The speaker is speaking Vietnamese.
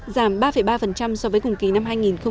giảm ba ba so với cùng kỳ năm hai nghìn một mươi chín